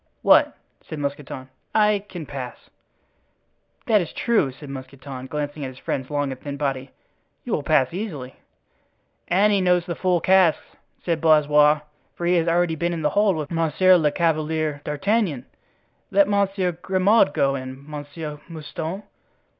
"What?" said Mousqueton. "I can pass." "That is true," said Mousqueton, glancing at his friend's long and thin body, "you will pass easily." "And he knows the full casks," said Blaisois, "for he has already been in the hold with Monsieur le Chevalier d'Artagnan. Let Monsieur Grimaud go in, Monsieur Mouston."